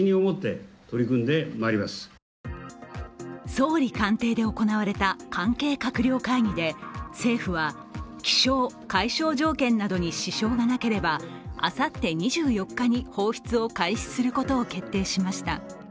総理官邸で行われた関係閣僚会議で政府は気象・海象条件などに支障がなければあさって２４日に放出を開始することを決定しました。